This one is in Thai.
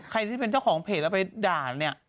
ที่เป็นเจ้าของเพจแล้วไปด่าเนี่ย